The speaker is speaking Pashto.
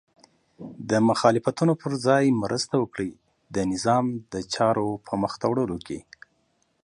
د مخالفتونو په ځای مرسته وکړئ او د نظام د چارو په مخته وړلو